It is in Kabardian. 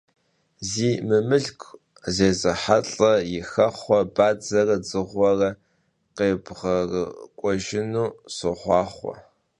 Zi mımılhku zezıhelh'em yi xexhuer badzere dzığueu khêbğerık'uejjınu soxhuaxhue!